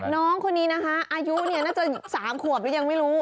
น้องคนนี้นะคะอายุน่าจะ๓ขวบยังไม่รู้